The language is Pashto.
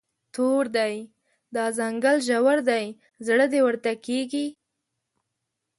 تور دی، دا ځنګل ژور دی، زړه دې ورته کیږي